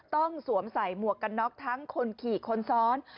สวมใส่หมวกกันน็อกทั้งคนขี่คนซ้อน